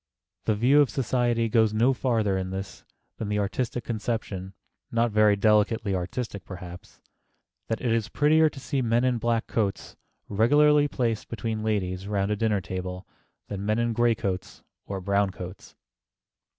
The view of society goes no farther in this than the artistic conception (not very delicately artistic, perhaps) that it is prettier to see men in black coats regularly placed between ladies round a dinner table than men in gray coats or brown coats.